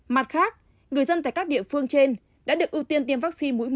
mặt khác người dân tại các địa phương trên đã được ưu tiên tiêm vaccine mũi một